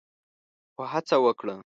خو هڅه وکړه